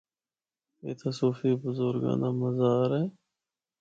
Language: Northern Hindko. اِتھا صوفی برزگاں دا مزار اے۔